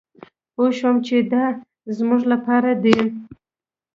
پوه شوم چې دا زمونږ لپاره دي.